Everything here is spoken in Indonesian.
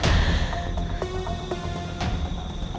aku harus gimana